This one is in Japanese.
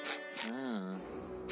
うん。